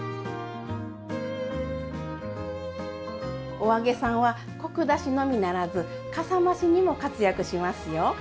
お揚げさんはコク出しのみならずかさ増しにも活躍しますよ。